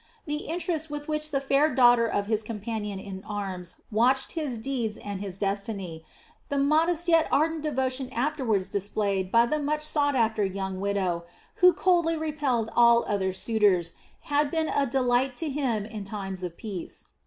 The interest with which the fair daughter of his companion in arms watched his deeds and his destiny, the modest yet ardent devotion afterwards displayed by the much sought after young widow, who coldly repelled all other suitors, had been a delight to him in times of peace.